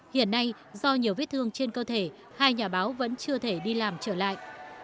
hiện nay do nhiều vết thương trên cơ thể hai nhà báo vẫn chưa thể đi làm trở lại